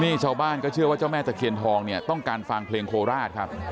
นี่ชาวบ้านก็เชื่อว่าเจ้าแม่ตะเคียนทองเนี่ยต้องการฟังเพลงโคราชครับ